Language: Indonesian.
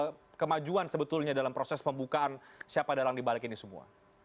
atau sudah ada memang kemajuan sebetulnya dalam proses pembukaan siapa dalam dibalik ini semua